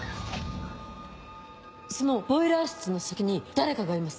そのボイラー室の先に誰かがいます。